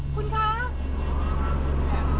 คุณขาว